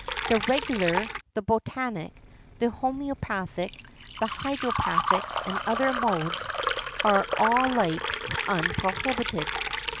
The regular, the botanic, the homœopathic, the hydropathic and other modes are alike unprohibited.